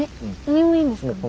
上もいいんですか？